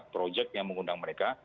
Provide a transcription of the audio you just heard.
proyek yang mengundang mereka